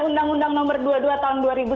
undang undang nomor ke dua tahun